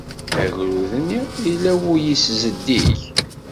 Agrud-nni, yella wul-nnes zeddig.